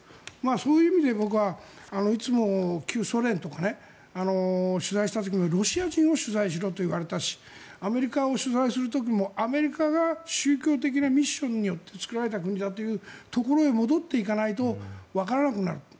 そういう意味で僕はいつも旧ソ連とか取材した時もロシア人を取材しろと言われたしアメリカを取材する時もアメリカが宗教的なミッションによって作られた国だというところに戻っていかないと分からなくなる。